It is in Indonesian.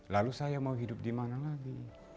lalu saya mau hidup di mana lagi